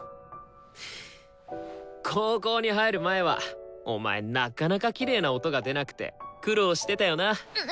高校に入る前はお前なかなかきれいな音が出なくて苦労してたよな。